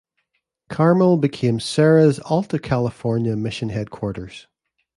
Carmel became Serra's Alta California mission headquarters.